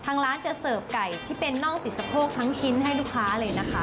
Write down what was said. ทางร้านจะเสิร์ฟไก่ที่เป็นน่องติดสะโพกทั้งชิ้นให้ลูกค้าเลยนะคะ